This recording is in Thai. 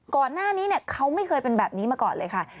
ก่อนหน้านี้เขาไม่เคยเป็นแบบนี้มาก่อนเลยค่ะ